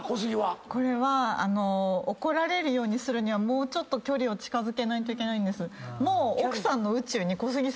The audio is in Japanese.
怒られるようにするにはもうちょっと距離を近づけないといけないんです。